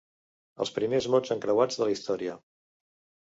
Els primers mots encreuats de la història.